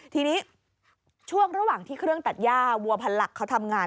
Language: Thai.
ทีนี้ช่วงระหว่างที่เครื่องตัดย่าวัวพันหลักเขาทำงาน